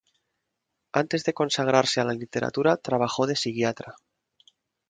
Antes de consagrarse a la literatura trabajó de psiquiatra.